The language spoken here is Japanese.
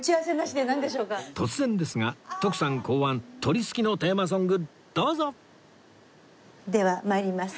突然ですが徳さん考案鳥すきのテーマソングどうぞでは参ります。